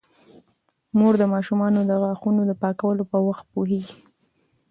مور د ماشومانو د غاښونو د پاکولو په وخت پوهیږي.